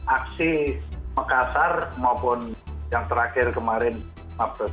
aksi mekasar maupun yang terakhir kemarin mabes